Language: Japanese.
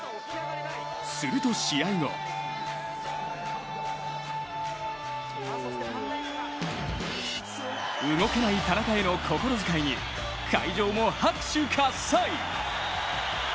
すると、試合後動けない田中への心遣いに会場も拍手喝采。